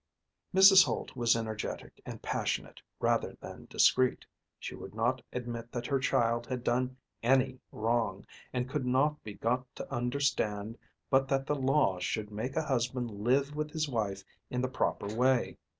Mrs. Holt was energetic and passionate rather than discreet. She would not admit that her child had done any wrong, and could not be got to understand but that the law should make a husband live with his wife in the proper way.